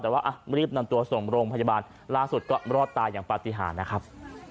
แต่ว่ารีบนำตัวส่งโรงพยาบาลล่าสุดก็รอดตายอย่างปฏิหารนะครับ